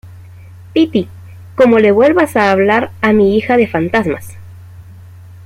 piti, como le vuelvas a hablar a mi hija de fantasmas